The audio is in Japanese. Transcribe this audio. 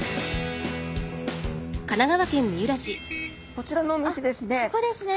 こちらのお店ですね。